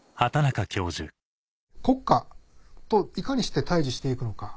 国家といかにして対峙して行くのか。